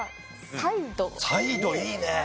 サイドいいねえ！